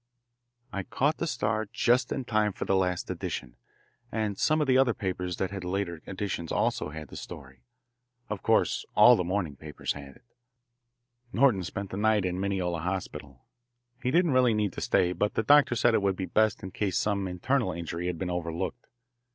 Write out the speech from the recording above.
I caught the Star just in time for the last edition, and some of the other papers that had later editions also had the story. Of course all the morning papers had it. Norton spent the night in the Mineola Hospital. He didn't really need to stay, but the doctor said it would be best in case some internal injury had been overlooked.